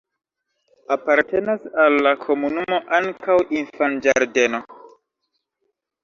Apartenas al la komunumo ankaŭ infanĝardeno.